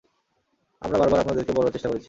আমরা বারবার আপনাদেরকে বলার চেষ্টা করেছি!